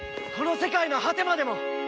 この世界の果てまでも！